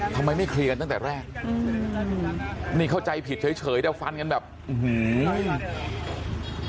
ทำไมไม่เคลียร์กันตั้งแต่แรกนี่เขาใจผิดเฉยอาจจะฟันอย่างแบบอืม